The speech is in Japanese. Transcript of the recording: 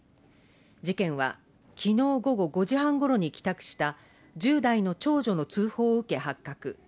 事件は、きのう午後５時半ごろに帰宅した１０代の長女の通報を受け発覚。